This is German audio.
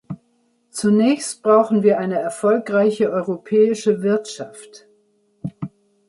Zunächst brauchen wir eine erfolgreiche europäische Wirtschaft.